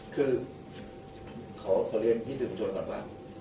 คือขอเรียนที่ถึงโจทย์ก่อนบ้าง